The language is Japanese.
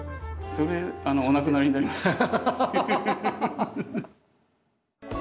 それお亡くなりになりますね。